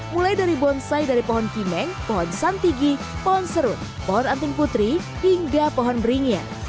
mulai dari bonsai dari pohon pimeng pohon santigi pohon serut pohon anting putri hingga pohon beringin